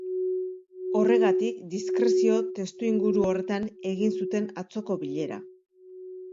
Horregatik, diskrezio testuinguru horretan egin zuten atzoko bilera.